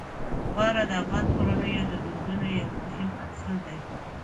واوره د افغان کورنیو د دودونو یو مهم عنصر دی.